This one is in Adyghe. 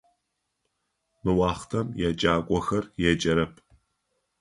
Мы уахътэм еджакӏохэр еджэрэп.